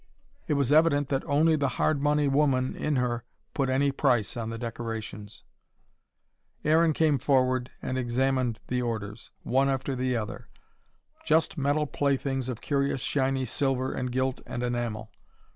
It was evident that only the hard money woman in her put any price on the decorations. Aaron came forward and examined the orders, one after the other. Just metal playthings of curious shiny silver and gilt and enamel.